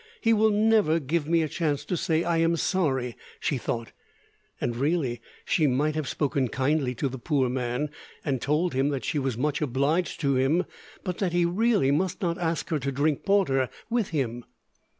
"He will never give me a chance to say 'I am sorry,'" she thought. And really, she might have spoken kindly to the poor man, and told him that she was much obliged to him, but that he really must not ask her to drink porter with him.